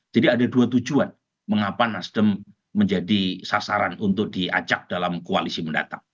jadi ada dua tujuan mengapa nasdem menjadi sasaran untuk diajak dalam koalisi mendatang